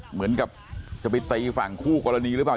เหมือนกับจะไปตีฝั่งคู่กรณีหรือเปล่า